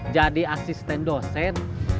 jadi asisten dosen